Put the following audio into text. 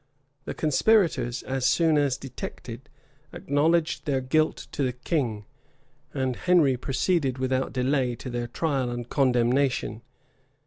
The conspirators, as soon as detected, acknowledged their guilt to the king; [*] and Henry proceeded without delay to their trial and condemnation.